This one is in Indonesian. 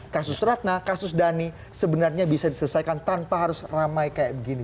kasus ratna kasus dhani sebenarnya bisa diselesaikan tanpa harus ramai kayak begini